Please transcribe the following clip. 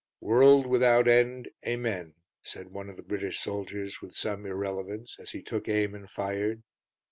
"World without end. Amen," said one of the British soldiers with some irrelevance as he took aim and fired.